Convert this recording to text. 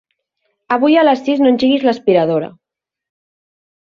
Avui a les sis no engeguis l'aspiradora.